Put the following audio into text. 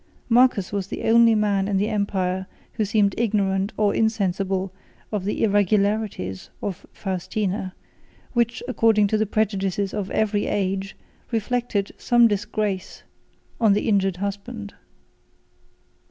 Marcus was the only man in the empire who seemed ignorant or insensible of the irregularities of Faustina; which, according to the prejudices of every age, reflected some disgrace on the injured husband.